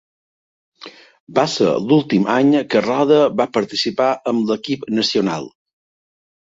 Va ser l'últim any que Rode va participar amb l'equip nacional.